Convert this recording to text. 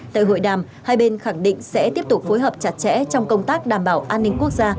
tại hội đàm hai bên khẳng định sẽ tiếp tục phối hợp chặt chẽ trong công tác đảm bảo an ninh quốc gia